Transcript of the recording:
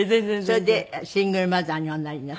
それでシングルマザーにおなりになった。